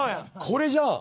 これじゃん！